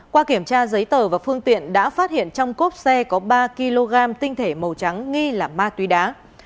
qua kiểm tra giấy tờ và phương tiện đã phát hiện trong cốp xe có ba kg tinh thể màu trắng nghi là ma túy đá